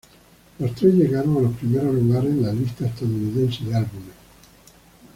Los tres llegaron a los primeros lugares en la lista estadounidense de álbumes.